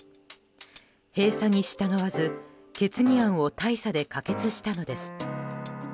閉鎖に従わず、決議案を大差で可決したのです。